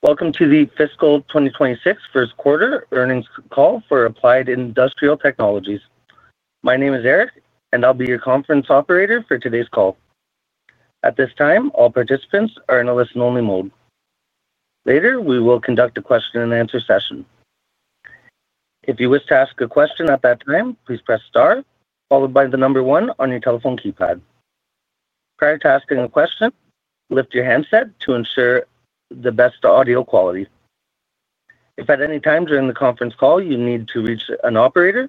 Welcome to the fiscal 2026 first quarter earnings call for Applied Industrial Technologies. My name is Eric, and I'll be your conference operator for today's call. At this time, all participants are in a listen-only mode. Later, we will conduct a question and answer session. If you wish to ask a question at that time, please press star, followed by the number one on your telephone keypad. Prior to asking a question, lift your handset to ensure the best audio quality. If at any time during the conference call you need to reach an operator,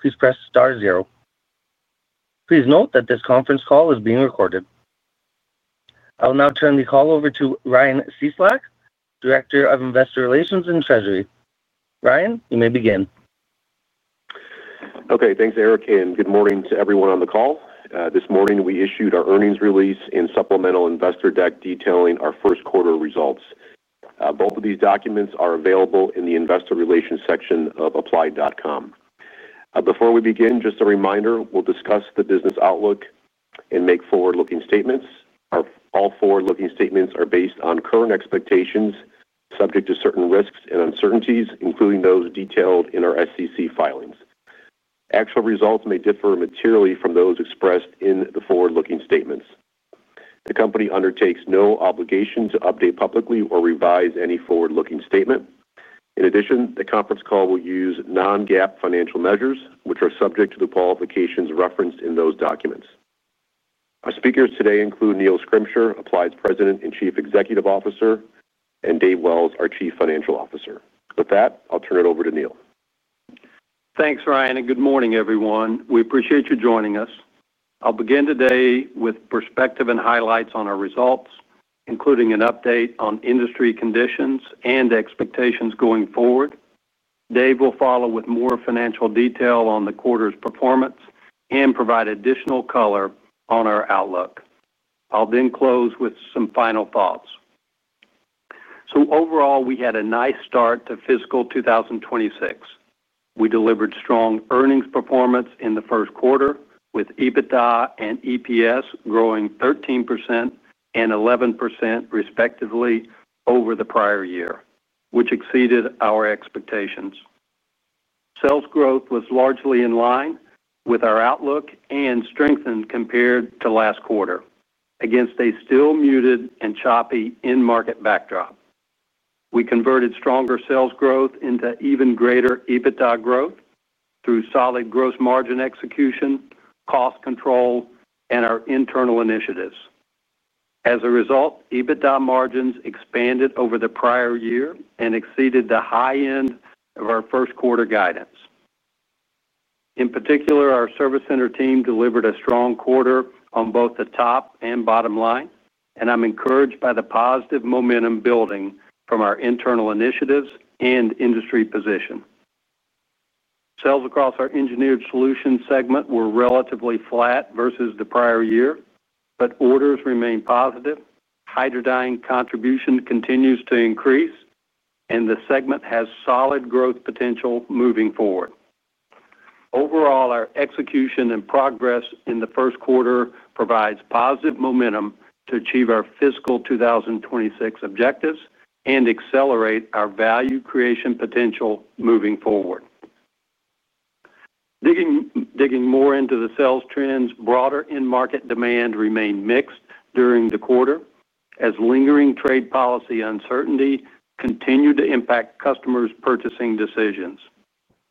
please press star zero. Please note that this conference call is being recorded. I will now turn the call over to Ryan Cieslak, Director of Investor Relations and Treasury. Ryan, you may begin. Okay. Thanks, Eric, and good morning to everyone on the call. This morning, we issued our earnings release and supplemental investor deck detailing our first quarter results. Both of these documents are available in the investor relations section of Applied.com. Before we begin, just a reminder, we'll discuss the business outlook and make forward-looking statements. All forward-looking statements are based on current expectations subject to certain risks and uncertainties, including those detailed in our SEC filings. Actual results may differ materially from those expressed in the forward-looking statements. The company undertakes no obligation to update publicly or revise any forward-looking statement. In addition, the conference call will use non-GAAP financial measures, which are subject to the qualifications referenced in those documents. Our speakers today include Neil Schrimsher, Applied's President and Chief Executive Officer, and Dave Wells, our Chief Financial Officer. With that, I'll turn it over to Neil. Thanks, Ryan, and good morning, everyone. We appreciate you joining us. I'll begin today with perspective and highlights on our results, including an update on industry conditions and expectations going forward. Dave will follow with more financial detail on the quarter's performance and provide additional color on our outlook. I'll then close with some final thoughts. Overall, we had a nice start to fiscal 2026. We delivered strong earnings performance in the first quarter, with EBITDA and EPS growing 13% and 11% respectively over the prior year, which exceeded our expectations. Sales growth was largely in line with our outlook and strengthened compared to last quarter against a still muted and choppy in-market backdrop. We converted stronger sales growth into even greater EBITDA growth through solid gross margin execution, cost control, and our internal initiatives. As a result, EBITDA margins expanded over the prior year and exceeded the high end of our first quarter guidance. In particular, our service center team delivered a strong quarter on both the top and bottom line, and I'm encouraged by the positive momentum building from our internal initiatives and industry position. Sales across our engineered solutions segment were relatively flat versus the prior year, but orders remain positive, Hydradyne contribution continues to increase, and the segment has solid growth potential moving forward. Overall, our execution and progress in the first quarter provide positive momentum to achieve our fiscal 2026 objectives and accelerate our value creation potential moving forward. Digging more into the sales trends, broader in-market demand remained mixed during the quarter as lingering trade policy uncertainty continued to impact customers' purchasing decisions.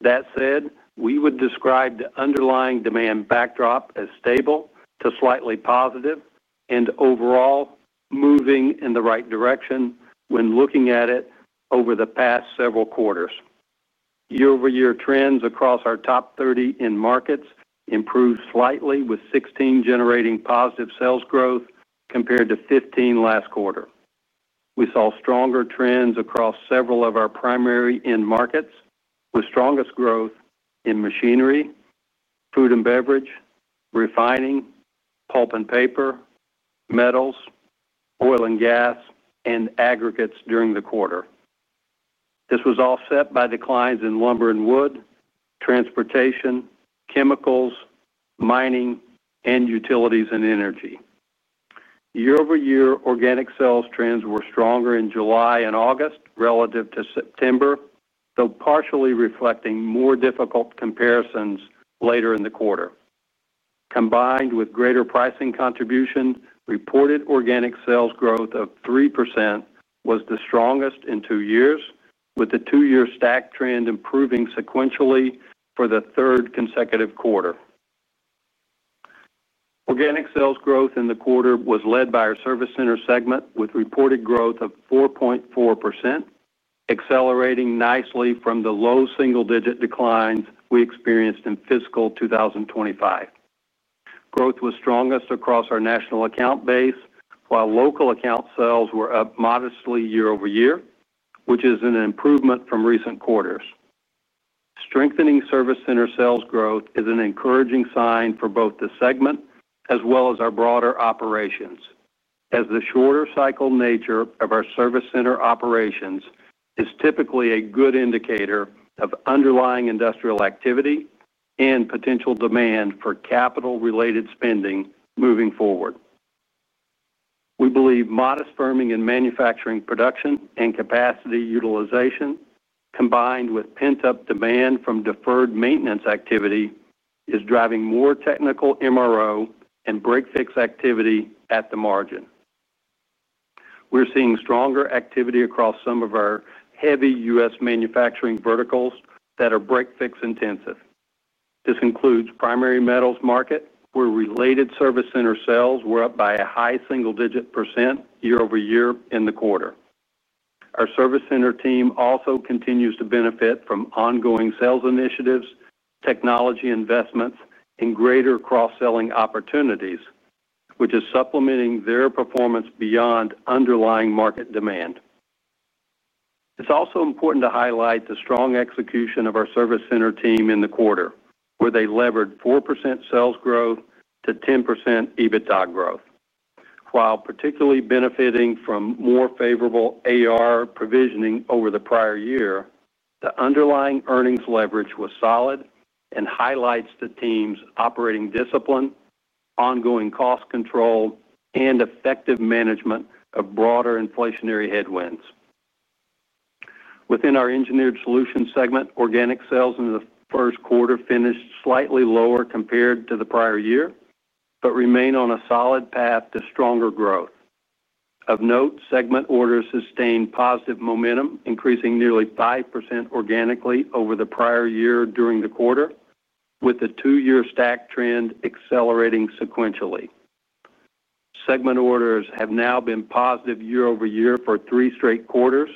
That said, we would describe the underlying demand backdrop as stable to slightly positive and overall moving in the right direction when looking at it over the past several quarters. Year-over-year trends across our top 30 in markets improved slightly, with 16 generating positive sales growth compared to 15 last quarter. We saw stronger trends across several of our primary in-markets, with strongest growth in machinery, food and beverage, refining, pulp and paper, metals, oil and gas, and aggregates during the quarter. This was offset by declines in lumber and wood, transportation, chemicals, mining, and utilities and energy. Year-over-year organic sales trends were stronger in July and August relative to September, though partially reflecting more difficult comparisons later in the quarter. Combined with greater pricing contributions, reported organic sales growth of 3% was the strongest in two years, with the two-year stack trend improving sequentially for the third consecutive quarter. Organic sales growth in the quarter was led by our service center segment, with reported growth of 4.4%, accelerating nicely from the low single-digit declines we experienced in fiscal 2025. Growth was strongest across our national account base, while local account sales were up modestly year-over-year, which is an improvement from recent quarters. Strengthening service center sales growth is an encouraging sign for both the segment as well as our broader operations, as the shorter cycle nature of our service center operations is typically a good indicator of underlying industrial activity and potential demand for capital-related spending moving forward. We believe modest firming in manufacturing production and capacity utilization, combined with pent-up demand from deferred maintenance activity, is driving more technical MRO and break-fix activity at the margin. We're seeing stronger activity across some of our heavy U.S. manufacturing verticals that are break-fix intensive. This includes primary metals market, where related service center sales were up by a high single-digit percent year-over-year in the quarter. Our service center team also continues to benefit from ongoing sales initiatives, technology investments, and greater cross-selling opportunities, which is supplementing their performance beyond underlying market demand. It's also important to highlight the strong execution of our service center team in the quarter, where they levered 4% sales growth to 10% EBITDA growth. While particularly benefiting from more favorable AR provisioning over the prior year, the underlying earnings leverage was solid and highlights the team's operating discipline, ongoing cost control, and effective management of broader inflationary headwinds. Within our engineered solutions segment, organic sales in the first quarter finished slightly lower compared to the prior year, but remain on a solid path to stronger growth. Of note, segment orders sustained positive momentum, increasing nearly 5% organically over the prior year during the quarter, with the two-year stack trend accelerating sequentially. Segment orders have now been positive year-over-year for three straight quarters,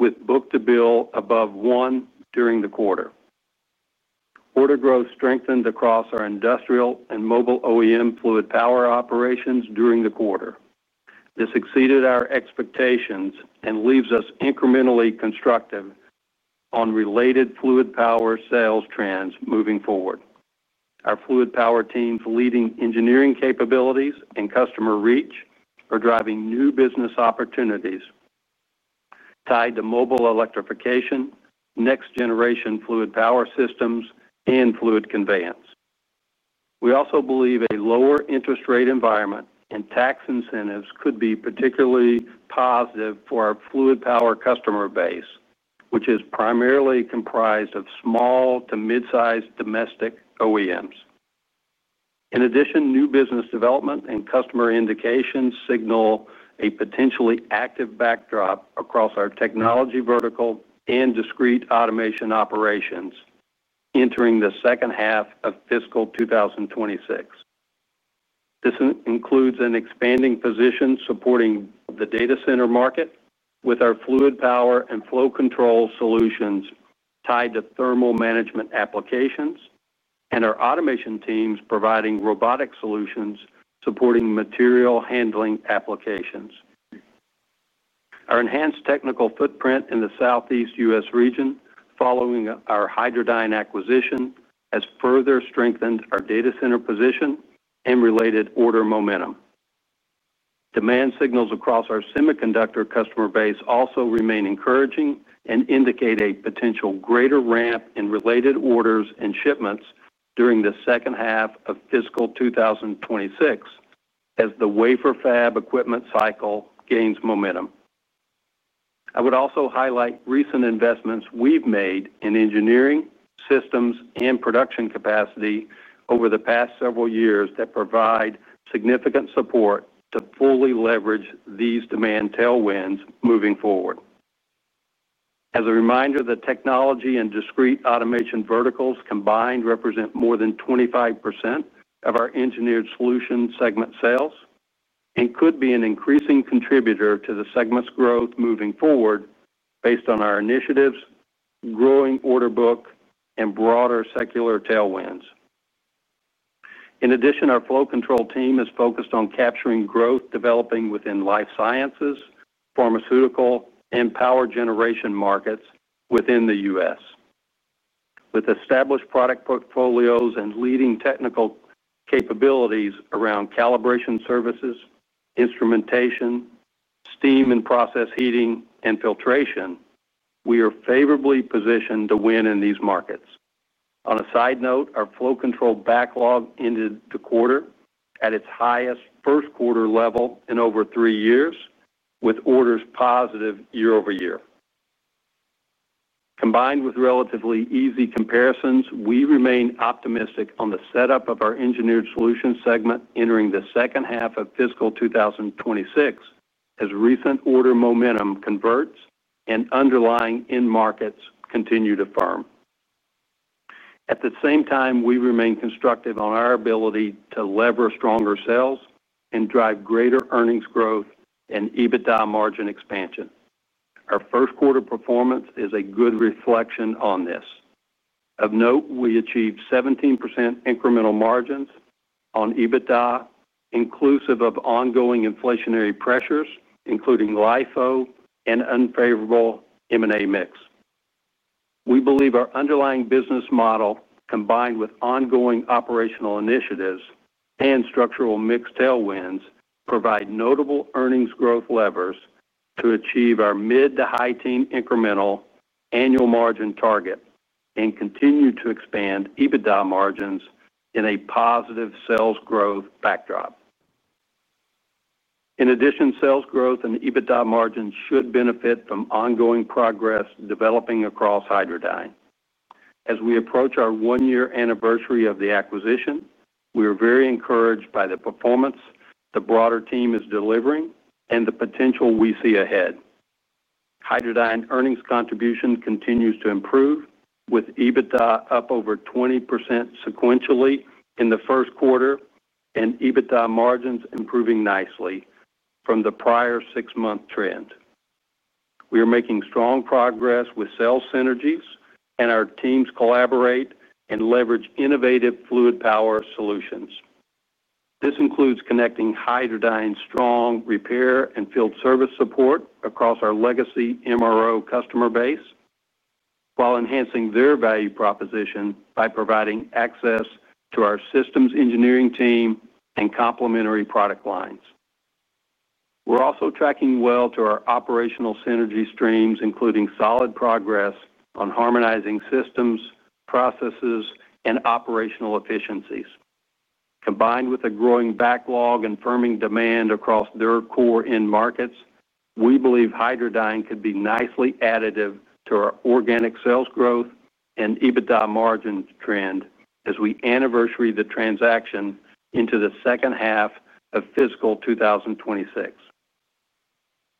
with book-to-bill above one during the quarter. Order growth strengthened across our industrial and mobile OEM fluid power operations during the quarter. This exceeded our expectations and leaves us incrementally constructive on related fluid power sales trends moving forward. Our fluid power team's leading engineering capabilities and customer reach are driving new business opportunities tied to mobile electrification, next-generation fluid power systems, and fluid conveyance. We also believe a lower interest rate environment and tax incentives could be particularly positive for our fluid power customer base, which is primarily comprised of small to mid-sized domestic OEMs. In addition, new business development and customer indications signal a potentially active backdrop across our technology vertical and discrete automation operations entering the second half of fiscal 2026. This includes an expanding position supporting the data center market with our fluid power and flow control solutions tied to thermal management applications and our automation teams providing robotic solutions supporting material handling applications. Our enhanced technical footprint in the Southeast U.S. region, following our Hydradyne acquisition, has further strengthened our data center position and related order momentum. Demand signals across our semiconductor customer base also remain encouraging and indicate a potential greater ramp in related orders and shipments during the second half of fiscal 2026 as the wafer fab equipment cycle gains momentum. I would also highlight recent investments we've made in engineering systems and production capacity over the past several years that provide significant support to fully leverage these demand tailwinds moving forward. As a reminder, the technology and discrete automation verticals combined represent more than 25% of our engineered solutions segment sales and could be an increasing contributor to the segment's growth moving forward based on our initiatives, growing order book, and broader secular tailwinds. In addition, our flow control team is focused on capturing growth developing within life sciences, pharmaceutical, and power generation markets within the U.S. With established product portfolios and leading technical capabilities around calibration services, instrumentation, steam and process heating, and filtration, we are favorably positioned to win in these markets. On a side note, our flow control backlog ended the quarter at its highest first quarter level in over three years, with orders positive year-over-year. Combined with relatively easy comparisons, we remain optimistic on the setup of our engineered solutions segment entering the second half of fiscal 2026 as recent order momentum converts and underlying in-markets continue to firm. At the same time, we remain constructive on our ability to lever stronger sales and drive greater earnings growth and EBITDA margin expansion. Our first quarter performance is a good reflection on this. Of note, we achieved 17% incremental margins on EBITDA, inclusive of ongoing inflationary pressures, including LIFO and unfavorable M&A mix. We believe our underlying business model, combined with ongoing operational initiatives and structural mix tailwinds, provide notable earnings growth levers to achieve our mid to high teen incremental annual margin target and continue to expand EBITDA margins in a positive sales growth backdrop. In addition, sales growth and EBITDA margins should benefit from ongoing progress developing across Hydradyne. As we approach our one-year anniversary of the acquisition, we are very encouraged by the performance the broader team is delivering and the potential we see ahead. Hydradyne earnings contribution continues to improve, with EBITDA up over 20% sequentially in the first quarter and EBITDA margins improving nicely from the prior six-month trend. We are making strong progress with sales synergies, and our teams collaborate and leverage innovative fluid power solutions. This includes connecting Hydradyne's strong repair and field service support across our legacy MRO customer base, while enhancing their value proposition by providing access to our systems engineering team and complementary product lines. We're also tracking well to our operational synergy streams, including solid progress on harmonizing systems, processes, and operational efficiencies. Combined with a growing backlog and firming demand across their core in-markets, we believe Hydradyne could be nicely additive to our organic sales growth and EBITDA margin trend as we anniversary the transaction into the second half of fiscal 2026.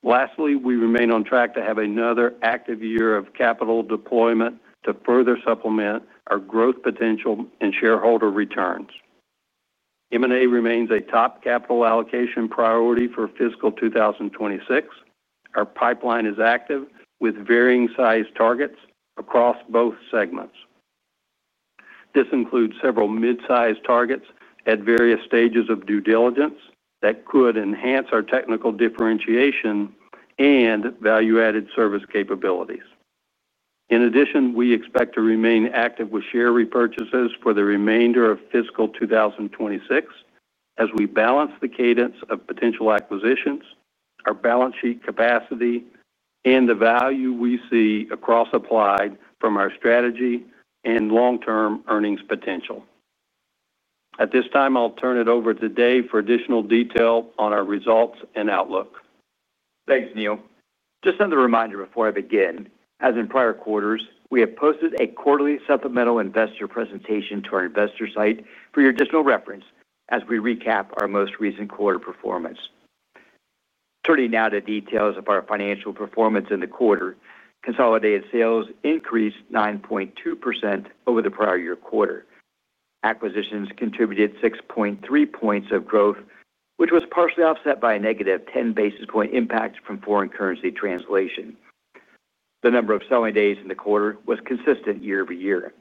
Lastly, we remain on track to have another active year of capital deployment to further supplement our growth potential and shareholder returns. M&A remains a top capital allocation priority for fiscal 2026. Our pipeline is active with varying size targets across both segments. This includes several mid-sized targets at various stages of due diligence that could enhance our technical differentiation and value-added service capabilities. In addition, we expect to remain active with share repurchases for the remainder of fiscal 2026 as we balance the cadence of potential acquisitions, our balance sheet capacity, and the value we see across Applied from our strategy and long-term earnings potential. At this time, I'll turn it over to Dave for additional detail on our results and outlook. Thanks, Neil. Just as a reminder before I begin, as in prior quarters, we have posted a quarterly supplemental investor presentation to our investor site for your additional reference as we recap our most recent quarter performance. Turning now to details of our financial performance in the quarter, consolidated sales increased 9.2% over the prior-year-quarter. Acquisitions contributed 6.3 points of growth, which was partially offset by a -10 basis point impact from foreign currency translation. The number of selling days in the quarter was consistent year-over-year.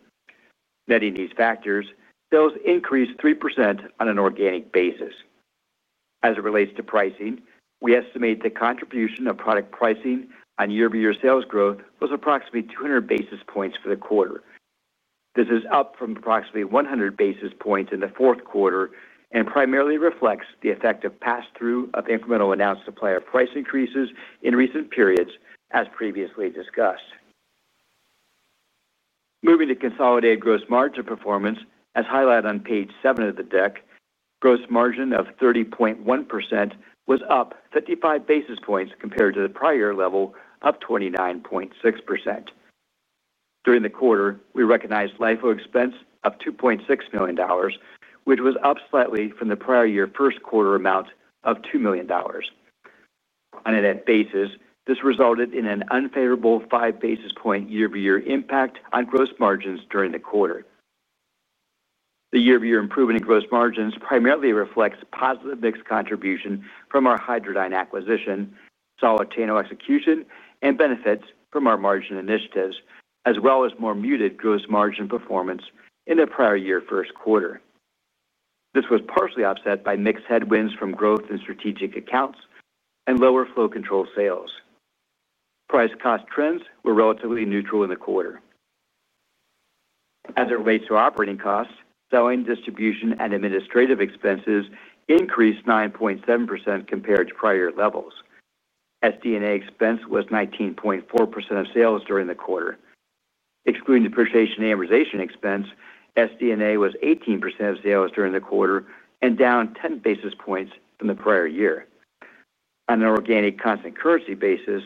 Netting these factors, sales increased 3% on an organic basis. As it relates to pricing, we estimate the contribution of product pricing on year-over-year sales growth was approximately 200 basis points for the quarter. This is up from approximately 100 basis points in the fourth quarter and primarily reflects the effect of pass-through of incremental announced supplier price increases in recent periods, as previously discussed. Moving to consolidated gross margin performance, as highlighted on page seven of the deck, gross margin of 30.1% was up 55 basis points compared to the prior level of 29.6%. During the quarter, we recognized LIFO expense of $2.6 million, which was up slightly from the prior year first quarter amount of $2 million. On an ad basis, this resulted in an unfavorable five basis point year-over-year impact on gross margins during the quarter. The year-over-year improvement in gross margins primarily reflects positive mixed contribution from our Hydradyne acquisition, solid channel execution, and benefits from our margin initiatives, as well as more muted gross margin performance in the prior year first quarter. This was partially offset by mixed headwinds from growth in strategic accounts and lower flow control sales. Price cost trends were relatively neutral in the quarter. As it relates to operating costs, selling, distribution, and administrative expenses increased 9.7% compared to prior levels. SDNA expense was 19.4% of sales during the quarter. Excluding depreciation and amortization expense, SDNA was 18% of sales during the quarter and down 10 basis points from the prior year. On an organic constant currency basis,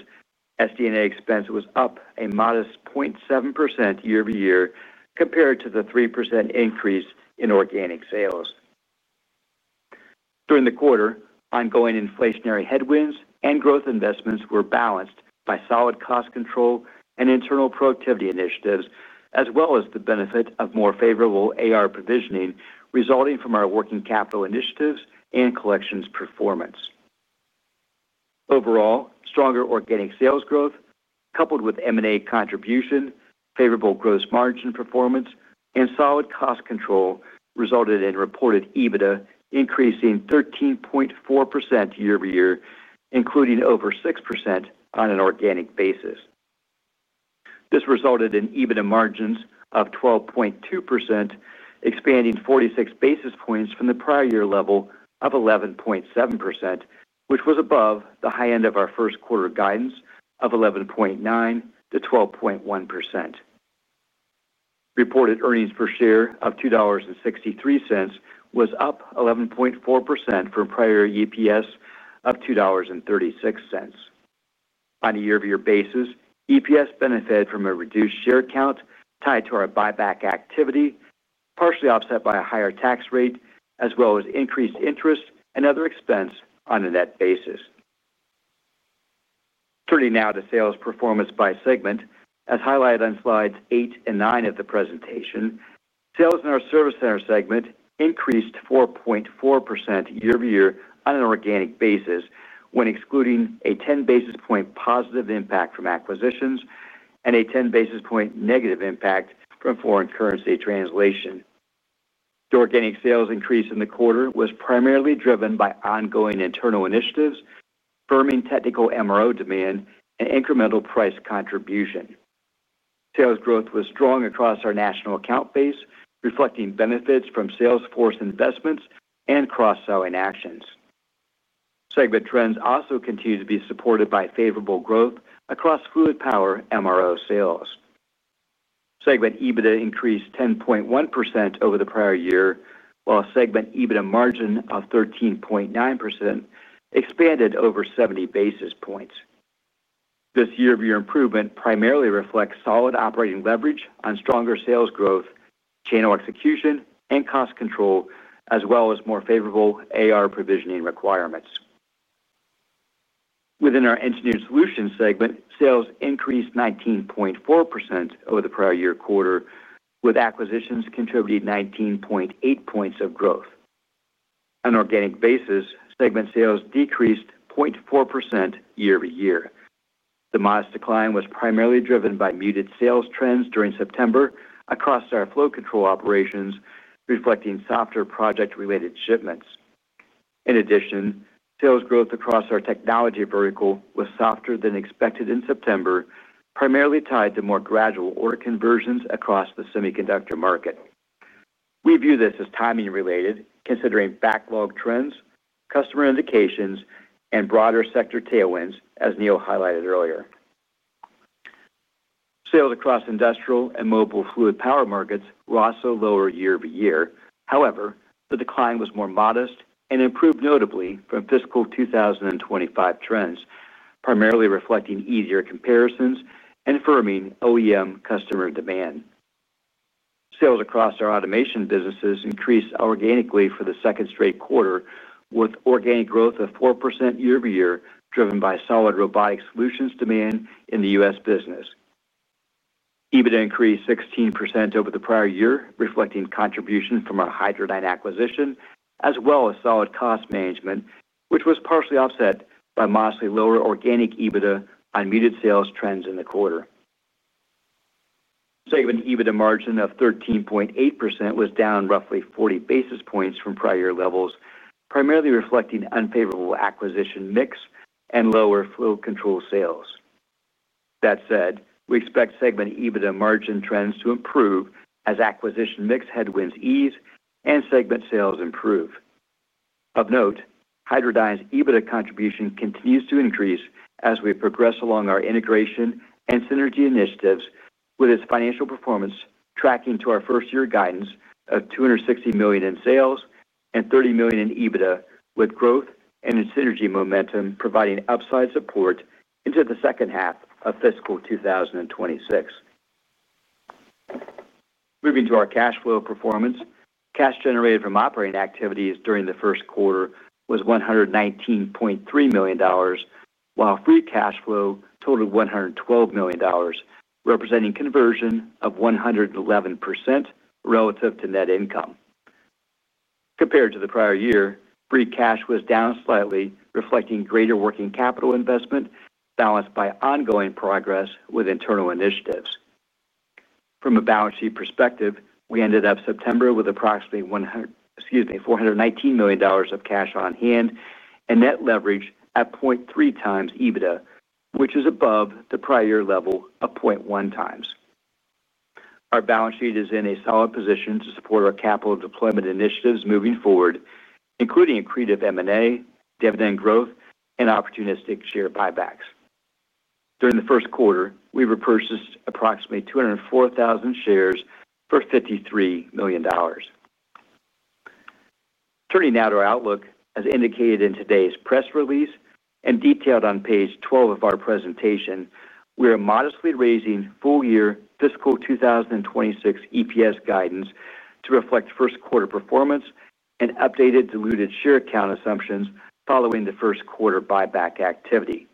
SDNA expense was up a modest 0.7% year-over-year compared to the 3% increase in organic sales. During the quarter, ongoing inflationary headwinds and growth investments were balanced by solid cost control and internal productivity initiatives, as well as the benefit of more favorable AR provisioning resulting from our working capital initiatives and collections performance. Overall, stronger organic sales growth, coupled with M&A contribution, favorable gross margin performance, and solid cost control resulted in reported EBITDA increasing 13.4% year-over-year, including over 6% on an organic basis. This resulted in EBITDA margins of 12.2%, expanding 46 basis points from the prior year level of 11.7%, which was above the high end of our first quarter guidance of 11.9% to 12.1%. Reported earnings per share of $2.63 was up 11.4% from prior year EPS of $2.36. On a year-over-year basis, EPS benefited from a reduced share count tied to our buyback activity, partially offset by a higher tax rate, as well as increased interest and other expense on a net basis. Turning now to sales performance by segment, as highlighted on slides eight and nine of the presentation, sales in our service center segment increased 4.4% year-over-year on an organic basis when excluding a 10 basis point positive impact from acquisitions and a 10 basis point negative impact from foreign currency translation. The organic sales increase in the quarter was primarily driven by ongoing internal initiatives, firming technical MRO demand, and incremental price contribution. Sales growth was strong across our national account base, reflecting benefits from sales force investments and cross-selling actions. Segment trends also continue to be supported by favorable growth across fluid power MRO sales. Segment EBITDA increased 10.1% over the prior year, while segment EBITDA margin of 13.9% expanded over 70 basis points. This year-over-year improvement primarily reflects solid operating leverage on stronger sales growth, channel execution, and cost control, as well as more favorable AR provisioning requirements. Within our engineered solution segment, sales increased 19.4% over the prior-year-quarter, with acquisitions contributing 19.8 points of growth. On an organic basis, segment sales decreased 0.4% year-over-year. The modest decline was primarily driven by muted sales trends during September across our flow control operations, reflecting softer project-related shipments. In addition, sales growth across our technology vertical was softer than expected in September, primarily tied to more gradual order conversions across the semiconductor market. We view this as timing related, considering backlog trends, customer indications, and broader sector tailwinds, as Neil highlighted earlier. Sales across industrial and mobile fluid power markets were also lower year-over-year. However, the decline was more modest and improved notably from fiscal 2025 trends, primarily reflecting easier comparisons and firming OEM customer demand. Sales across our automation businesses increased organically for the second straight quarter, with organic growth of 4% year-over-year, driven by solid robotic solutions demand in the U.S. business. EBITDA increased 16% over the prior year, reflecting contribution from our Hydradyne acquisition, as well as solid cost management, which was partially offset by modestly lower organic EBITDA on muted sales trends in the quarter. Segment EBITDA margin of 13.8% was down roughly 40 basis points from prior year levels, primarily reflecting unfavorable acquisition mix and lower flow control sales. That said, we expect segment EBITDA margin trends to improve as acquisition mix headwinds ease and segment sales improve. Of note, Hydradyne's EBITDA contribution continues to increase as we progress along our integration and synergy initiatives, with its financial performance tracking to our first-year guidance of $260 million in sales and $30 million in EBITDA, with growth and in synergy momentum providing upside support into the second half of fiscal 2026. Moving to our cash flow performance, cash generated from operating activities during the first quarter was $119.3 million, while free cash flow totaled $112 million, representing conversion of 111% relative to net income. Compared to the prior year, free cash was down slightly, reflecting greater working capital investment balanced by ongoing progress with internal initiatives. From a balance sheet perspective, we ended up September with approximately $419 million of cash on hand and net leverage at 0.3x EBITDA, which is above the prior year level of 0.1x. Our balance sheet is in a solid position to support our capital deployment initiatives moving forward, including accretive M&A, dividend growth, and opportunistic share buybacks. During the first quarter, we repurchased approximately 204,000 shares for $53 million. Turning now to our outlook, as indicated in today's press release and detailed on page 12 of our presentation, we are modestly raising full-year fiscal 2026 EPS guidance to reflect first quarter performance and updated diluted share count assumptions following the first quarter buyback activity.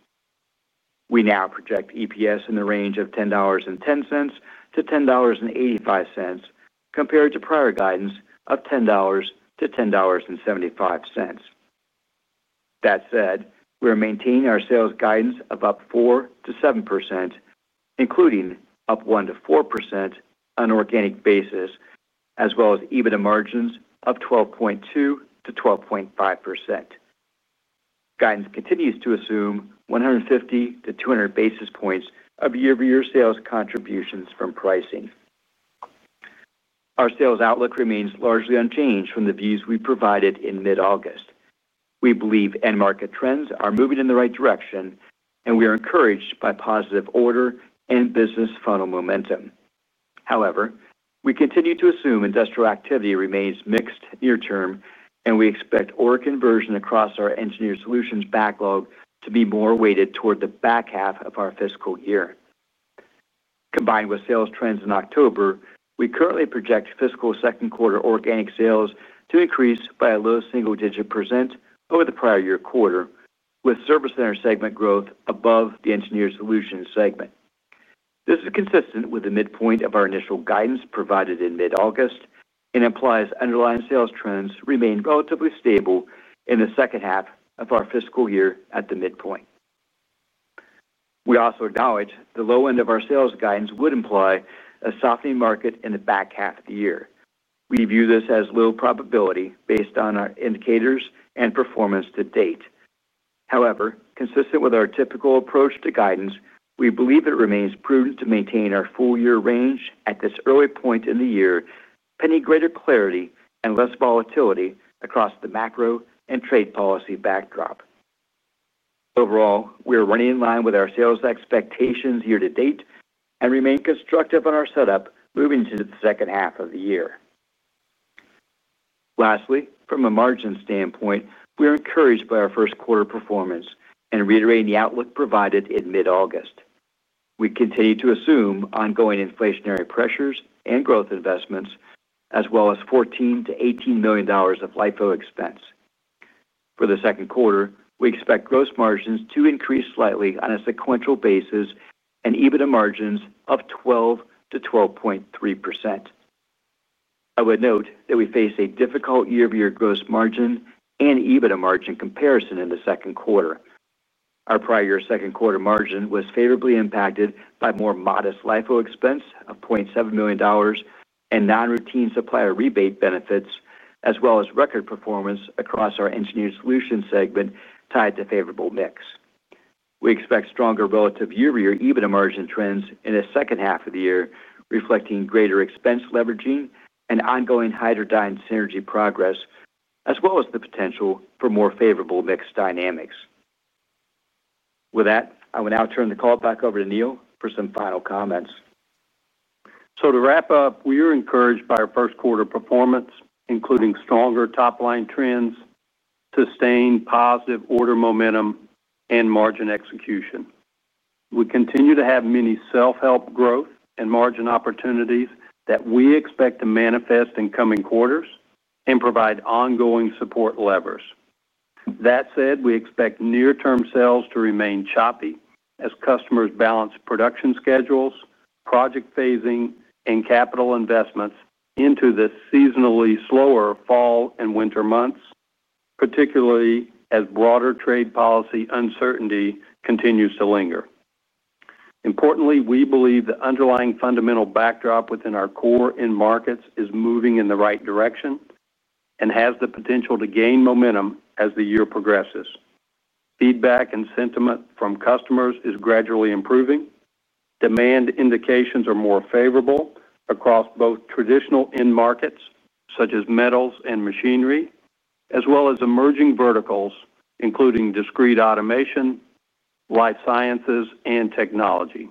We now project EPS in the range of $10.10-$10.85, compared to prior guidance of $10 to $10.75. That said, we are maintaining our sales guidance of up 4%-7%, including up 1%-4% on an organic basis, as well as EBITDA margins of 12.2%-12.5%. Guidance continues to assume 150-200 basis points of year-over-year sales contributions from pricing. Our sales outlook remains largely unchanged from the views we provided in mid-August. We believe end market trends are moving in the right direction, and we are encouraged by positive order and business funnel momentum. However, we continue to assume industrial activity remains mixed near term, and we expect order conversion across our engineered solutions backlog to be more weighted toward the back half of our fiscal year. Combined with sales trends in October, we currently project fiscal second quarter organic sales to increase by a low single-digit percent over the prior-year-quarter, with service center segment growth above the engineered solutions segment. This is consistent with the midpoint of our initial guidance provided in mid-August and implies underlying sales trends remain relatively stable in the second half of our fiscal year at the midpoint. We also acknowledge the low end of our sales guidance would imply a softening market in the back half of the year. We view this as low probability based on our indicators and performance to date. However, consistent with our typical approach to guidance, we believe it remains prudent to maintain our full-year range at this early point in the year, pending greater clarity and less volatility across the macro and trade policy backdrop. Overall, we are running in line with our sales expectations year to date and remain constructive on our setup moving into the second half of the year. Lastly, from a margin standpoint, we are encouraged by our first quarter performance and reiterate the outlook provided in mid-August. We continue to assume ongoing inflationary pressures and growth investments, as well as $14-$18 million of LIFO expense. For the second quarter, we expect gross margins to increase slightly on a sequential basis and EBITDA margins of 12%-12.3%. I would note that we face a difficult year-over-year gross margin and EBITDA margin comparison in the second quarter. Our prior year second quarter margin was favorably impacted by more modest LIFO expense of $0.7 million and non-routine supplier rebate benefits, as well as record performance across our engineered solutions segment tied to favorable mix. We expect stronger relative year-over-year EBITDA margin trends in the second half of the year, reflecting greater expense leveraging and ongoing Hydradyne synergy progress, as well as the potential for more favorable mix dynamics. With that, I will now turn the call back over to Neil for some final comments. To wrap up, we are encouraged by our first quarter performance, including stronger top line trends, sustained positive order momentum, and margin execution. We continue to have many self-help growth and margin opportunities that we expect to manifest in coming quarters and provide ongoing support levers. That said, we expect near-term sales to remain choppy as customers balance production schedules, project phasing, and capital investments into the seasonally slower fall and winter months, particularly as broader trade policy uncertainty continues to linger. Importantly, we believe the underlying fundamental backdrop within our core in-markets is moving in the right direction and has the potential to gain momentum as the year progresses. Feedback and sentiment from customers is gradually improving. Demand indications are more favorable across both traditional in-markets, such as metals and machinery, as well as emerging verticals, including discrete automation, life sciences, and technology.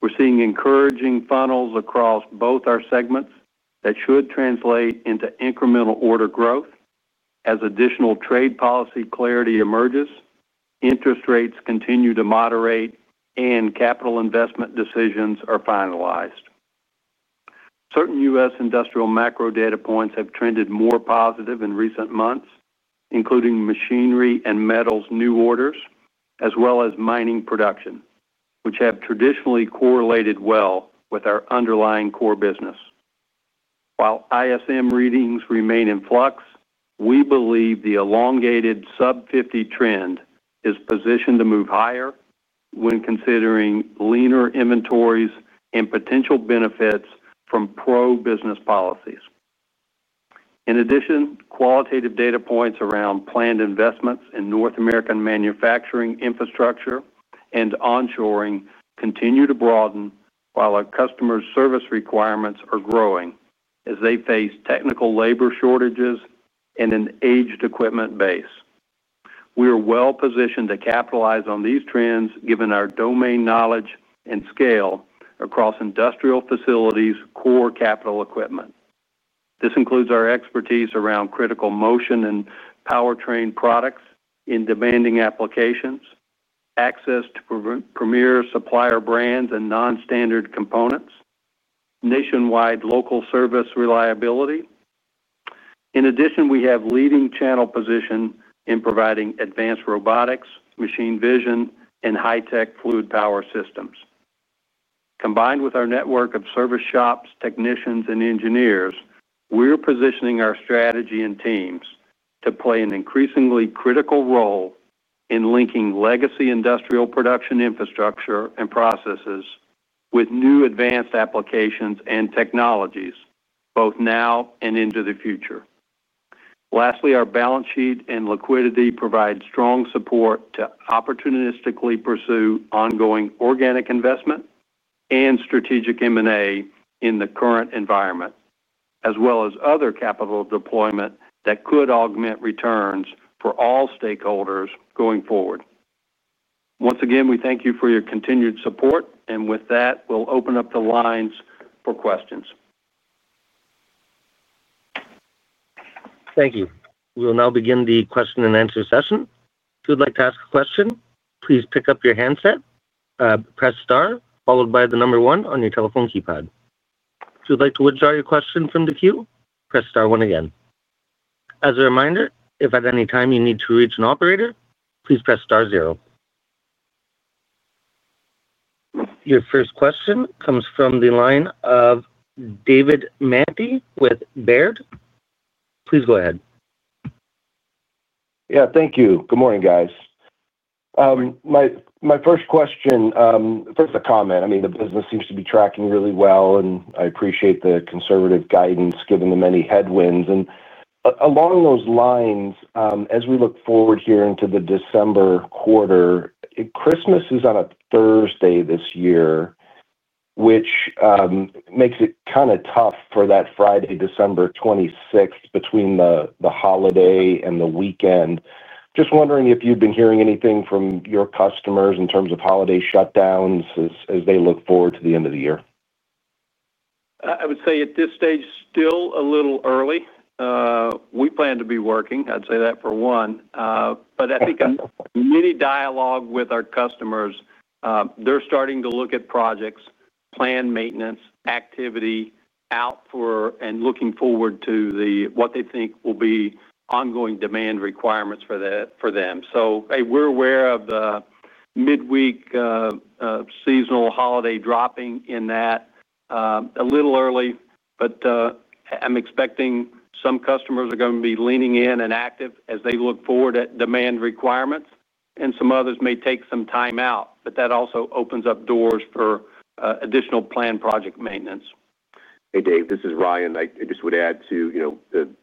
We're seeing encouraging funnels across both our segments that should translate into incremental order growth as additional trade policy clarity emerges, interest rates continue to moderate, and capital investment decisions are finalized. Certain U.S. industrial macro data points have trended more positive in recent months, including machinery and metals new orders, as well as mining production, which have traditionally correlated well with our underlying core business. While ISM readings remain in flux, we believe the elongated sub-50 trend is positioned to move higher when considering leaner inventories and potential benefits from pro-business policies. In addition, qualitative data points around planned investments in North American manufacturing infrastructure and onshoring continue to broaden while our customer service requirements are growing as they face technical labor shortages and an aged equipment base. We are well positioned to capitalize on these trends given our domain knowledge and scale across industrial facilities core capital equipment. This includes our expertise around critical motion and powertrain products in demanding applications, access to premier supplier brands and non-standard components, and nationwide local service reliability. In addition, we have a leading channel position in providing advanced robotics, machine vision, and high-tech fluid power systems. Combined with our network of service shops, technicians, and engineers, we're positioning our strategy and teams to play an increasingly critical role in linking legacy industrial production infrastructure and processes with new advanced applications and technologies, both now and into the future. Lastly, our balance sheet and liquidity provide strong support to opportunistically pursue ongoing organic investment and strategic M&A in the current environment, as well as other capital deployment that could augment returns for all stakeholders going forward. Once again, we thank you for your continued support, and with that, we'll open up the lines for questions. Thank you. We'll now begin the question and answer session. If you'd like to ask a question, please pick up your handset. Press star followed by the number one on your telephone keypad. If you'd like to withdraw your question from the queue, press star one again. As a reminder, if at any time you need to reach an operator, please press star zero. Your first question comes from the line of David Manthey with Baird. Please go ahead. Yeah, thank you. Good morning, guys. My first question, first a comment. I mean, the business seems to be tracking really well, and I appreciate the conservative guidance given the many headwinds. As we look forward here into the December quarter, Christmas is on a Thursday this year, which makes it kind of tough for that Friday, December 26th, between the holiday and the weekend. Just wondering if you've been hearing anything from your customers in terms of holiday shutdowns as they look forward to the end of the year. I would say at this stage, still a little early. We plan to be working, I'd say that for one. I think many dialogue with our customers, they're starting to look at projects, planned maintenance activity out for, and looking forward to what they think will be ongoing demand requirements for that for them. We're aware of the midweek seasonal holiday dropping in that. A little early, but I'm expecting some customers are going to be leaning in and active as they look forward at demand requirements, and some others may take some time out, but that also opens up doors for additional planned project maintenance. Hey, Dave, this is Ryan. I just would add to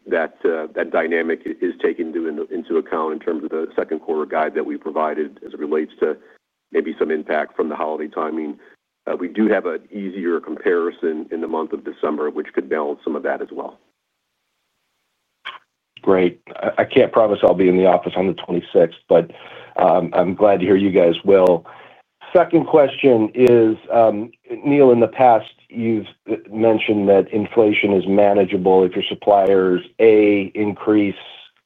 that dynamic is taken into account in terms of the second quarter guide that we provided as it relates to maybe some impact from the holiday timing. We do have an easier comparison in the month of December, which could balance some of that as well. Great. I can't promise I'll be in the office on the 26th, but I'm glad to hear you guys will. Second question is, Neil, in the past, you've mentioned that inflation is manageable if your suppliers, A, increase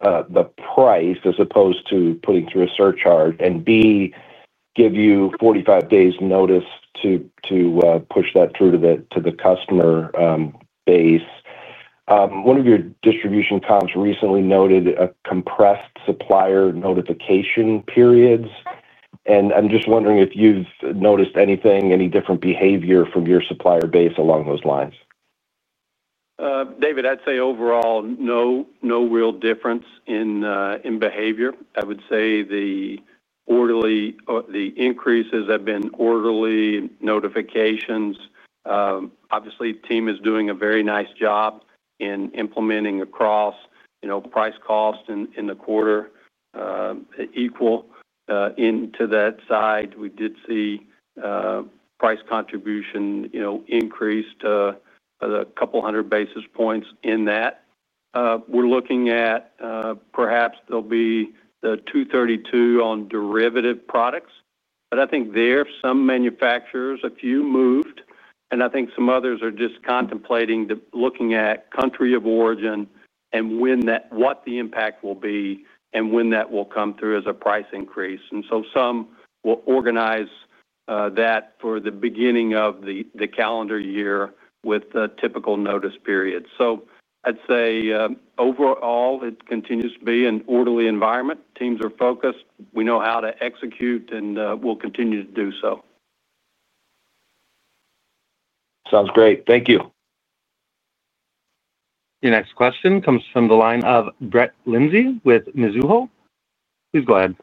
the price as opposed to putting through a surcharge, and B, give you 45 days notice to push that through to the customer base. One of your distribution comps recently noted a compressed supplier notification period, and I'm just wondering if you've noticed anything, any different behavior from your supplier base along those lines. David, I'd say overall, no, no real difference in behavior. I would say the increases have been orderly notifications. Obviously, the team is doing a very nice job in implementing across, you know, price cost in the quarter. Equal into that side, we did see price contribution, you know, increased to the couple hundred basis points in that. We're looking at perhaps there'll be the 232 on derivative products, but I think there are some manufacturers, a few moved, and I think some others are just contemplating looking at country of origin and what the impact will be and when that will come through as a price increase. Some will organize that for the beginning of the calendar year with the typical notice period. I'd say overall, it continues to be an orderly environment. Teams are focused. We know how to execute and we'll continue to do so. Sounds great. Thank you. Your next question comes from the line of Brett Linzey with Mizuho. Please go ahead.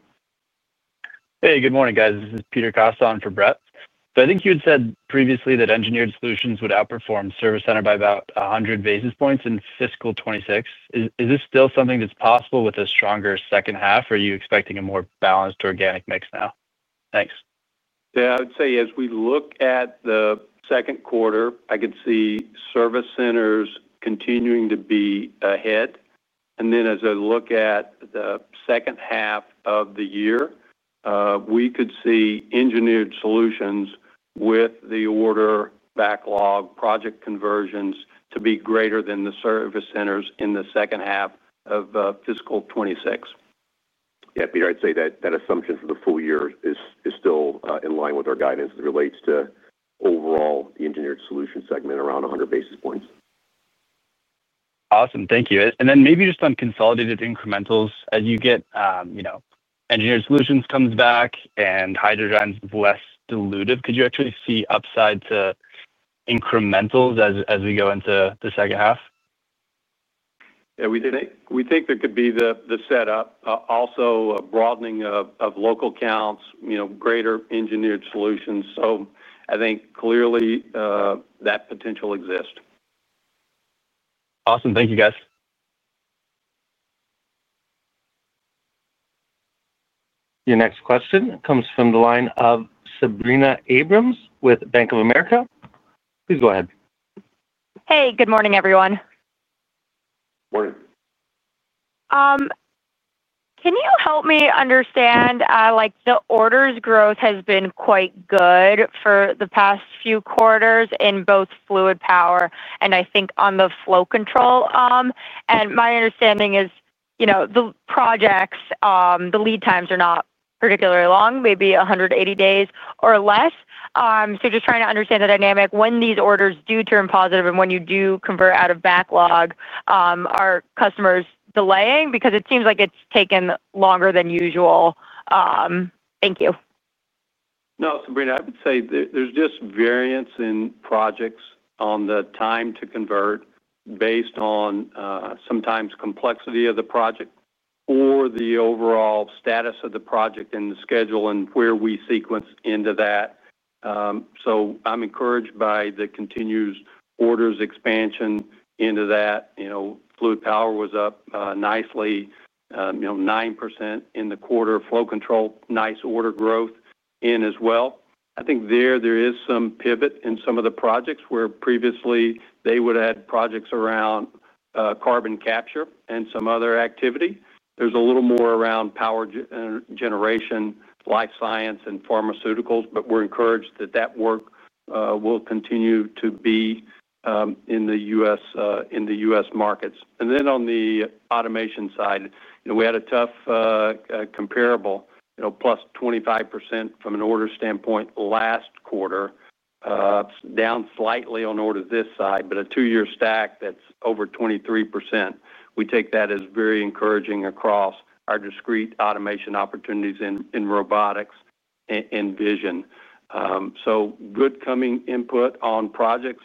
Good morning, guys. This is Peter Costa for Brett. I think you had said previously that engineered solutions would outperform service center by about 100 basis points in fiscal 2026. Is this still something that's possible with a stronger second half, or are you expecting a more balanced organic mix now? Thanks. I would say as we look at the second quarter, I could see service centers continuing to be ahead. As I look at the second half of the year, we could see engineered solutions with the order backlog project conversions to be greater than the service centers in the second half of fiscal 2026. Yeah, Peter, I'd say that assumption for the full year is still in line with our guidance as it relates to overall the engineered solutions segment around 100 basis points. Thank you. Maybe just on consolidated incrementals, as you get, you know, engineered solutions comes back and Hydradyne's less diluted, could you actually see upside to incrementals as we go into the second half? We think there could be the setup, also a broadening of local counts, you know, greater engineered solutions. I think clearly, that potential exists. Awesome. Thank you, guys. Your next question comes from the line of Sabrina Abrams with Bank of America. Please go ahead. Hey, good morning, everyone. Morning. Can you help me understand, like the orders growth has been quite good for the past few quarters in both fluid power and I think on the flow control. My understanding is, you know, the projects, the lead times are not particularly long, maybe 180 days or less. Just trying to understand the dynamic when these orders do turn positive and when you do convert out of backlog, are customers delaying? Because it seems like it's taken longer than usual. Thank you. No, Sabrina, I would say there's just variance in projects on the time to convert based on, sometimes complexity of the project or the overall status of the project and the schedule and where we sequence into that. I'm encouraged by the continuous orders expansion into that. You know, fluid power was up nicely, you know, 9% in the quarter. Flow control, nice order growth in as well. I think there is some pivot in some of the projects where previously they would have had projects around carbon capture and some other activity. There's a little more around power generation, life science, and pharmaceuticals, but we're encouraged that that work will continue to be in the U.S., in the U.S. markets. On the automation side, you know, we had a tough comparable, you know, plus 25% from an order standpoint last quarter, down slightly on order this side, but a two-year stack that's over 23%. We take that as very encouraging across our discrete automation opportunities in robotics and vision. Good coming input on projects.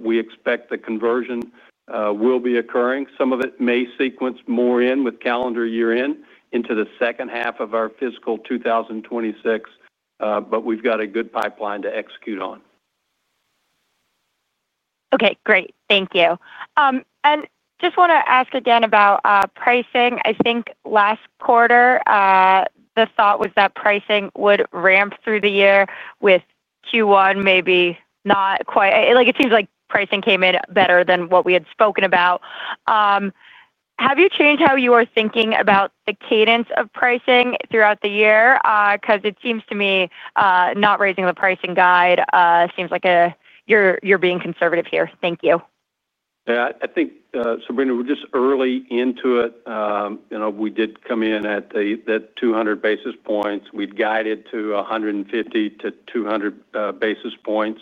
We expect the conversion will be occurring. Some of it may sequence more in with calendar year end into the second half of our fiscal 2026, but we've got a good pipeline to execute on. Okay, great. Thank you. I just want to ask again about pricing. I think last quarter, the thought was that pricing would ramp through the year with Q1 maybe not quite. It seems like pricing came in better than what we had spoken about. Have you changed how you are thinking about the cadence of pricing throughout the year? It seems to me, not raising the pricing guide, seems like you're being conservative here. Thank you. Yeah, I think, Sabrina, we're just early into it. We did come in at that 200 basis points. We'd guided to 150-200 basis points.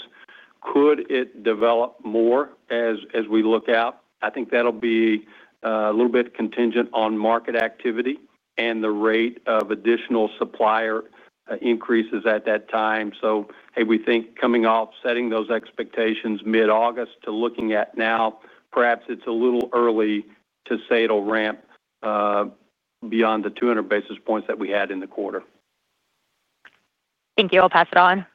Could it develop more as we look out? I think that'll be a little bit contingent on market activity and the rate of additional supplier increases at that time. We think coming off setting those expectations mid-August to looking at now, perhaps it's a little early to say it'll ramp beyond the 200 basis points that we had in the quarter. Thank you. I'll pass it on.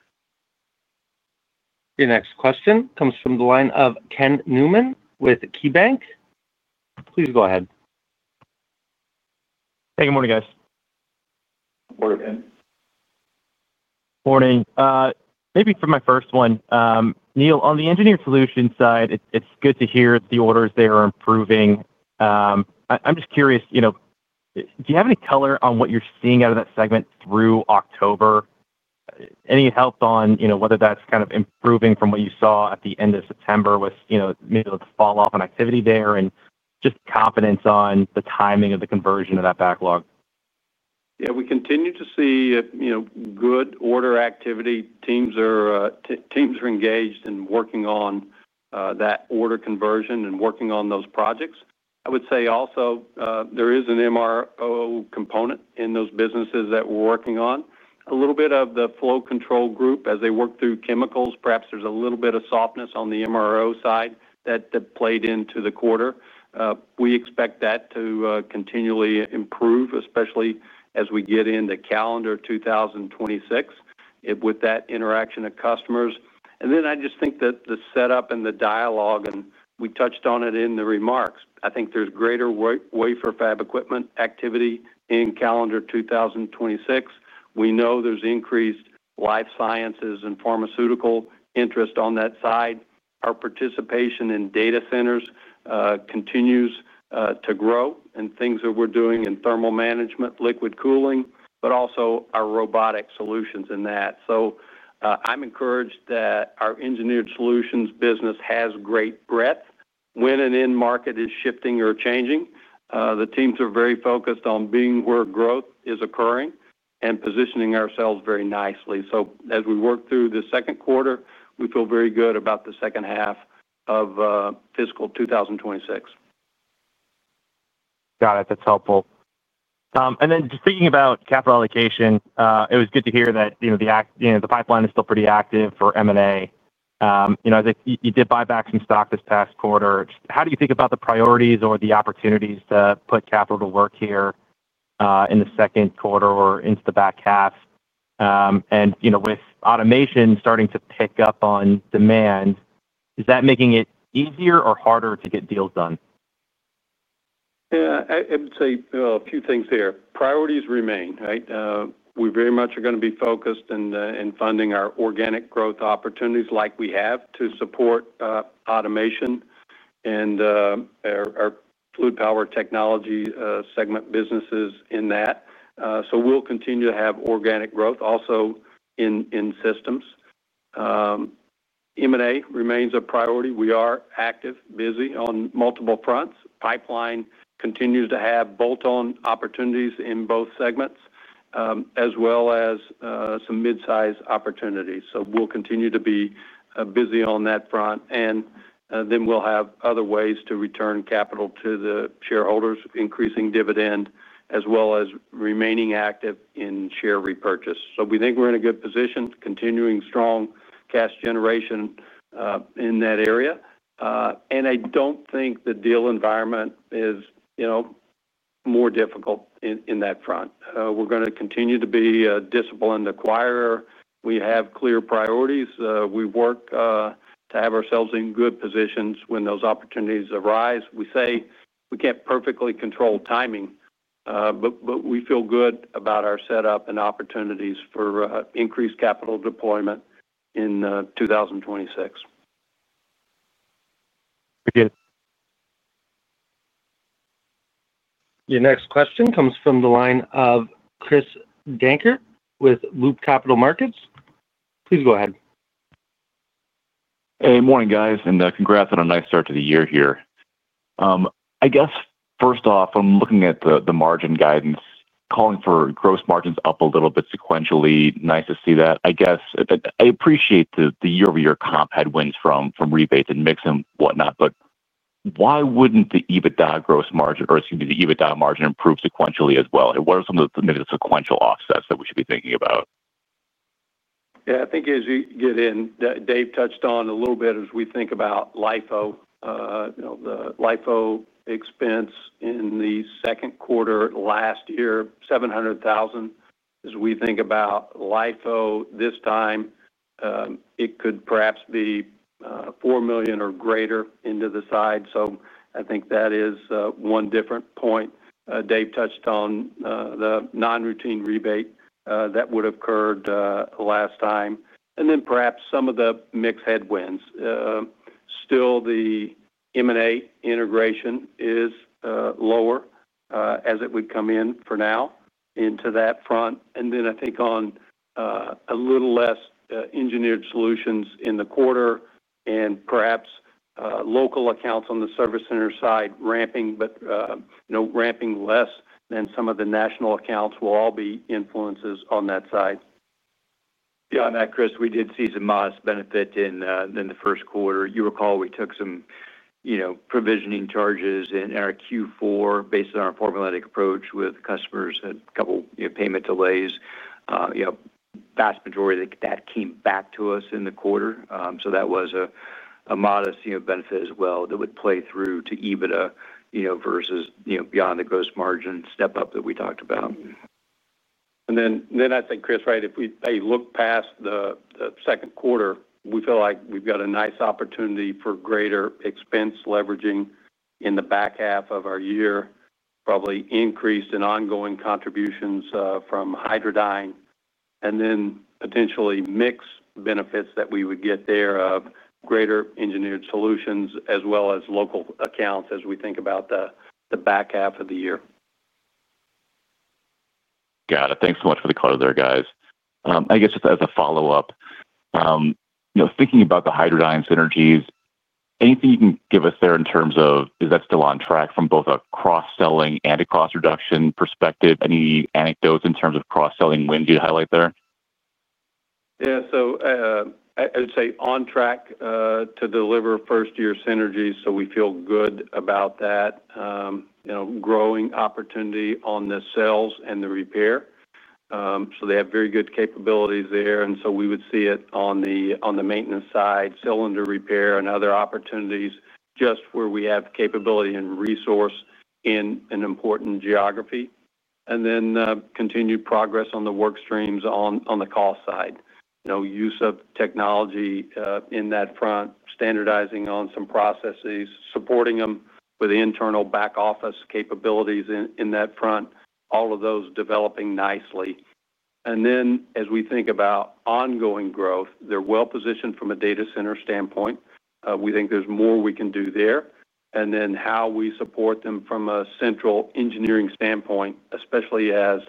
Your next question comes from the line of Ken Newman with KeyBanc Capital Markets. Please go ahead. Hey, good morning, guys. Morning, Ken. Morning. Maybe for my first one, Neil, on the engineered solutions side, it's good to hear the orders there are improving. I'm just curious, do you have any color on what you're seeing out of that segment through October? Any help on whether that's kind of improving from what you saw at the end of September with maybe a fall-off in activity there and just confidence on the timing of the conversion of that backlog? Yeah, we continue to see good order activity. Teams are engaged in working on that order conversion and working on those projects. I would say also, there is an MRO component in those businesses that we're working on. A little bit of the flow control group as they work through chemicals. Perhaps there's a little bit of softness on the MRO side that played into the quarter. We expect that to continually improve, especially as we get into calendar 2026 with that interaction of customers. I just think that the setup and the dialogue, and we touched on it in the remarks, I think there's greater wafer fab equipment activity in calendar 2026. We know there's increased life sciences and pharmaceutical interest on that side. Our participation in data centers continues to grow and things that we're doing in thermal management, liquid cooling, but also our robotic solutions in that. I'm encouraged that our engineered solutions business has great breadth when an end market is shifting or changing. The teams are very focused on being where growth is occurring and positioning ourselves very nicely. As we work through the second quarter, we feel very good about the second half of fiscal 2026. Got it. That's helpful. Just thinking about capital allocation, it was good to hear that the pipeline is still pretty active for M&A. As you did buy back some stock this past quarter, how do you think about the priorities or the opportunities to put capital to work here in the second quarter or into the back half? With automation starting to pick up on demand, is that making it easier or harder to get deals done? Yeah, I would say a few things here. Priorities remain, right? We very much are going to be focused in funding our organic growth opportunities like we have to support automation and our fluid power technology segment businesses in that. We'll continue to have organic growth also in systems. M&A remains a priority. We are active, busy on multiple fronts. Pipeline continues to have bolt-on opportunities in both segments, as well as some mid-size opportunities. We'll continue to be busy on that front, and we will have other ways to return capital to the shareholders, increasing dividend, as well as remaining active in share repurchase. We think we're in a good position, continuing strong cash generation in that area. I don't think the deal environment is, you know, more difficult in that front. We're going to continue to be a disciplined acquirer. We have clear priorities. We work to have ourselves in good positions when those opportunities arise. We say we can't perfectly control timing, but we feel good about our setup and opportunities for increased capital deployment in 2026. Very good. Your next question comes from the line of Christopher Dankert with Loop Capital Markets. Please go ahead. Hey, morning, guys, and congrats on a nice start to the year here. I guess first off, I'm looking at the margin guidance, calling for gross margins up a little bit sequentially. Nice to see that. I appreciate the year-over-year comp had wins from rebates and mix and whatnot, but why wouldn't the EBITDA margin, or excuse me, the EBITDA margin, improve sequentially as well? What are some of the maybe the sequential offsets that we should be thinking about? Yeah, I think as you get in, Dave touched on a little bit as we think about LIFO. The LIFO expense in the second quarter last year, $700,000. As we think about LIFO this time, it could perhaps be $4 million or greater into the side. I think that is one different point. Dave touched on the non-routine rebate that would have occurred last time. Perhaps some of the mixed headwinds. Still, the M&A integration is lower, as it would come in for now into that front. I think on a little less engineered solutions in the quarter and perhaps local accounts on the service center side ramping, but ramping less than some of the national accounts will all be influences on that side. Yeah, on that, Christopher, we did see some modest benefit in the first quarter. You recall we took some provisioning charges in our Q4 based on our formulated approach with customers, had a couple payment delays. The vast majority of that came back to us in the quarter. That was a modest benefit as well that would play through to EBITDA, beyond the gross margin step up that we talked about. Christopher, if we look past the second quarter, we feel like we've got a nice opportunity for greater expense leveraging in the back half of our year, probably increased and ongoing contributions from Hydradyne, and then potentially mix benefits that we would get there of greater engineered solutions as well as local accounts as we think about the back half of the year. Got it. Thanks so much for the color there, guys. I guess just as a follow-up, you know, thinking about the Hydradyne synergies, anything you can give us there in terms of is that still on track from both a cross-selling and a cost-reduction perspective? Any anecdotes in terms of cross-selling wins you'd highlight there? Yeah, I would say on track to deliver first-year synergies, so we feel good about that. You know, growing opportunity on the sales and the repair. They have very good capabilities there, so we would see it on the maintenance side, cylinder repair, and other opportunities just where we have capability and resource in an important geography. Continued progress on the work streams on the cost side. You know, use of technology in that front, standardizing on some processes, supporting them with internal back office capabilities in that front, all of those developing nicely. As we think about ongoing growth, they're well-positioned from a data center standpoint. We think there's more we can do there. How we support them from a central engineering standpoint, especially as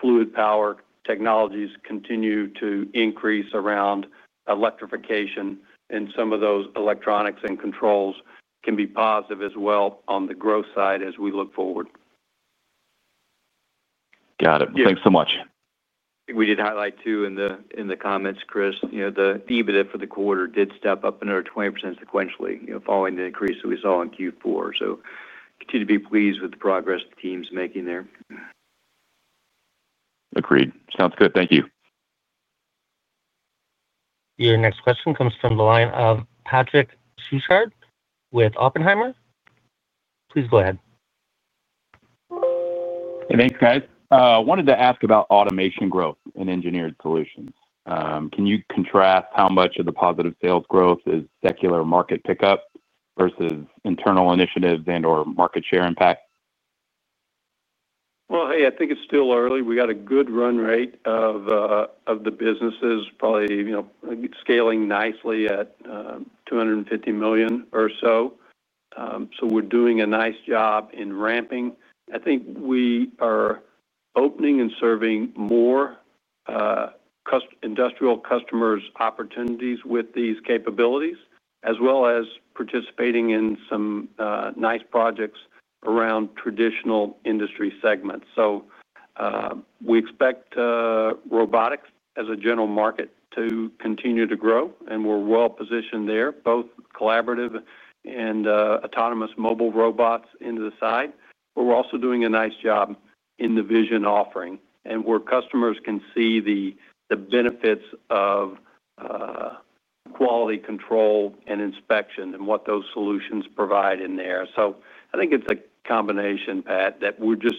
fluid power technologies continue to increase around electrification and some of those electronics and controls, can be positive as well on the growth side as we look forward. Got it. Thanks so much. We did highlight too in the comments, Chris, you know, the EBITDA for the quarter did step up another 20% sequentially, following the increase that we saw in Q4. Continue to be pleased with the progress the team's making there. Agreed. Sounds good. Thank you. Your next question comes from the line of Patrick Schuchard with Oppenheimer. Please go ahead. Hey, thanks, guys. I wanted to ask about automation growth in engineered solutions. Can you contrast how much of the positive sales growth is secular market pickup versus internal initiatives and/or market share impact? I think it's still early. We got a good run rate of the businesses, probably scaling nicely at $250 million or so, so we're doing a nice job in ramping. I think we are opening and serving more industrial customers' opportunities with these capabilities, as well as participating in some nice projects around traditional industry segments. We expect robotics as a general market to continue to grow, and we're well positioned there, both collaborative and autonomous mobile robots into the side. We're also doing a nice job in the vision offering and where customers can see the benefits of quality control and inspection and what those solutions provide in there. I think it's a combination, Pat, that we're just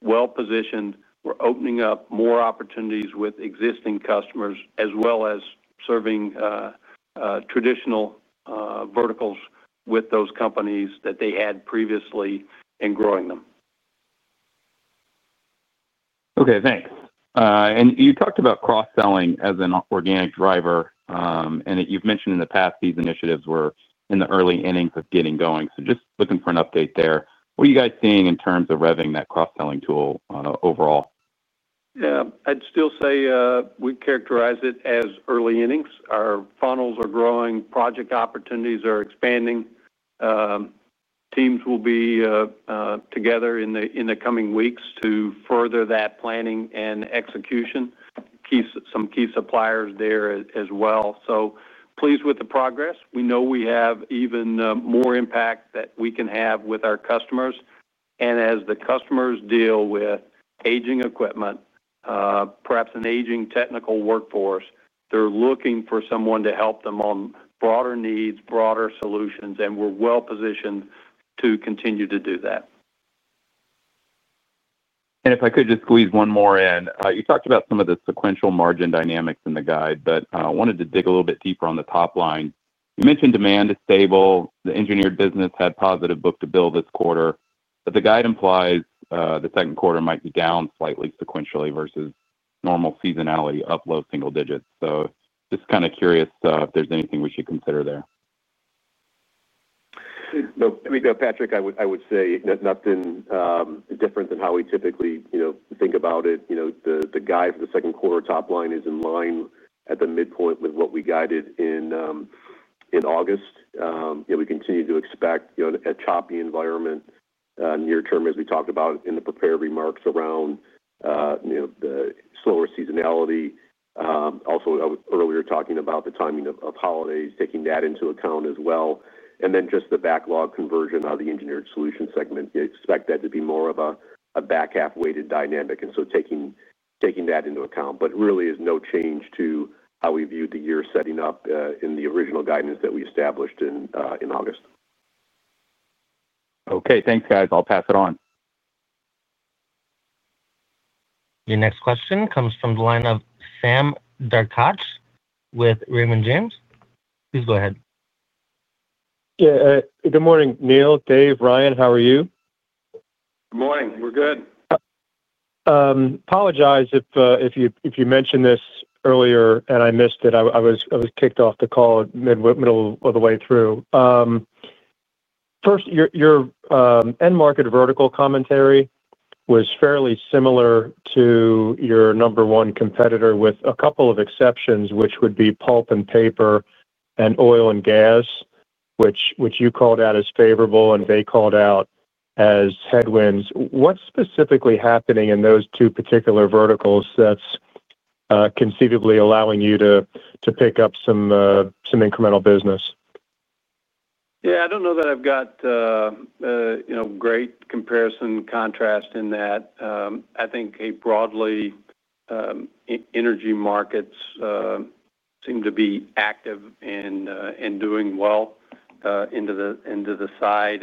well-positioned. We're opening up more opportunities with existing customers as well as serving traditional verticals with those companies that they had previously in growing them. Okay, thanks. You talked about cross-selling as an organic driver, and you've mentioned in the past these initiatives were in the early innings of getting going. Just looking for an update there. What are you guys seeing in terms of revving that cross-selling tool overall? Yeah, I'd still say we'd characterize it as early innings. Our funnels are growing, project opportunities are expanding. Teams will be together in the coming weeks to further that planning and execution. Key suppliers are there as well. Pleased with the progress. We know we have even more impact that we can have with our customers. As the customers deal with aging equipment, perhaps an aging technical workforce, they're looking for someone to help them on broader needs, broader solutions, and we're well positioned to continue to do that. If I could just squeeze one more in, you talked about some of the sequential margin dynamics in the guide. I wanted to dig a little bit deeper on the top line. You mentioned demand is stable, the engineered business had positive book to bill this quarter, but the guide implies the second quarter might be down slightly sequentially versus normal seasonality, up low single digits. Just kind of curious if there's anything we should consider there. No, I mean, Patrick, I would say nothing different than how we typically think about it. The guide for the second quarter top line is in line at the midpoint with what we guided in August. We continue to expect a choppy environment near term as we talked about in the prepared remarks around the slower seasonality. I was earlier talking about the timing of holidays, taking that into account as well. The backlog conversion of the engineered solutions segment, you expect that to be more of a back half weighted dynamic, taking that into account. Really, there's no change to how we viewed the year setting up in the original guidance that we established in August. Okay, thanks, guys. I'll pass it on. Your next question comes from the line of Sam Darkatsh with Raymond James. Please go ahead. Yeah, good morning, Neil, Dave, Ryan, how are you? Good morning. We're good. Apologize if you mentioned this earlier and I missed it. I was kicked off the call in the middle of the way through. First, your end market vertical commentary was fairly similar to your number one competitor with a couple of exceptions, which would be pulp and paper and oil and gas, which you called out as favorable and they called out as headwinds. What's specifically happening in those two particular verticals that's conceivably allowing you to pick up some incremental business? I don't know that I've got a great comparison contrast in that. I think broadly, energy markets seem to be active and doing well into the side.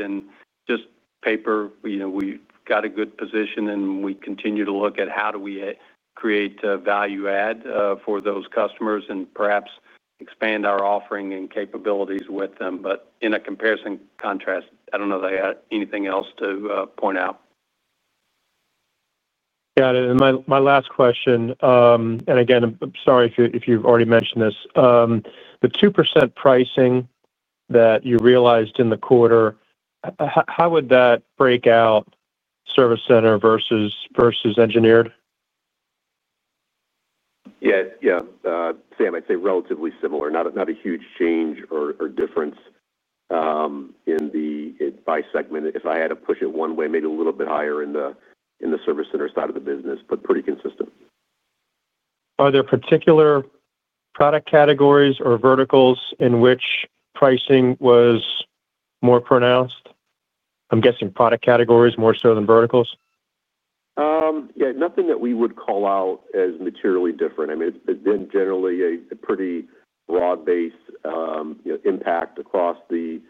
Just paper, you know, we've got a good position and we continue to look at how do we create value add for those customers and perhaps expand our offering and capabilities with them. In a comparison contrast, I don't know that I got anything else to point out. Got it. My last question, and again, I'm sorry if you've already mentioned this. The 2% pricing that you realized in the quarter, how would that break out service center versus engineered? Yeah, Sam, I'd say relatively similar. Not a huge change or difference in the by segment. If I had to push it one way, maybe a little bit higher in the service center side of the business, but pretty consistent. Are there particular product categories or verticals in which pricing was more pronounced? I'm guessing product categories more so than verticals. Yeah, nothing that we would call out as materially different. I mean, it's been generally a pretty broad-based impact across the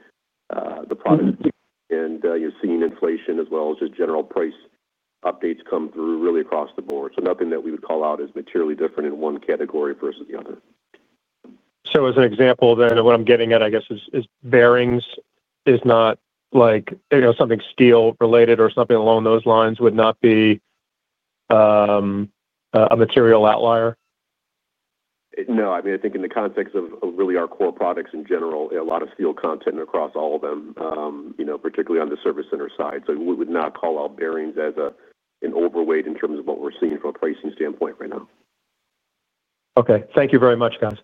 product and you're seeing inflation as well as just general price updates come through really across the board. Nothing that we would call out as materially different in one category versus the other. As an example, what I'm getting at, I guess, is bearings is not like, you know, something steel related or something along those lines would not be a material outlier? I think in the context of really our core products in general, a lot of steel content across all of them, particularly on the service center side. We would not call out bearings as an overweight in terms of what we're seeing from a pricing standpoint right now. Okay, thank you very much, guys.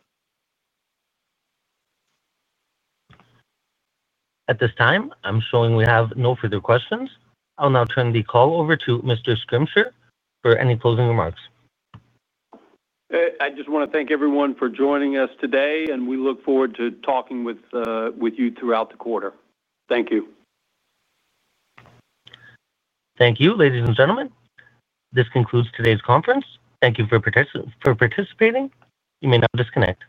At this time, I'm showing we have no further questions. I'll now turn the call over to Mr. Schrimsher for any closing remarks. I just want to thank everyone for joining us today, and we look forward to talking with you throughout the quarter. Thank you. Thank you, ladies and gentlemen. This concludes today's conference. Thank you for participating. You may now disconnect.